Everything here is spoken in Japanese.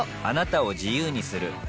あなたを自由にする